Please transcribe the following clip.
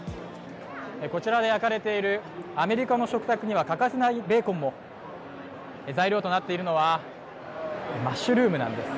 こちらで焼かれているアメリカの食卓には欠かせないベーコンも材料となっているのはマッシュルームなんです。